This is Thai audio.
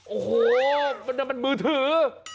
โอ้โหมันมือถือ